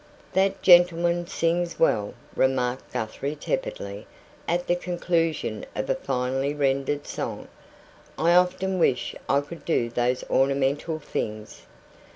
"That gentleman sings well," remarked Guthrie tepidly, at the conclusion of a finely rendered song. "I often wish I could do those ornamental things.